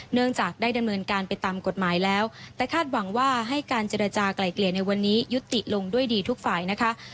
เนื่องจากได้ดำเนินการไปตามกฎหมายแล้วแต่คาดหวังว่าให้การเจรจากลายเกลี่ยในวันนี้ยุติลงด้วยดีทุกฝ่ายนะคะ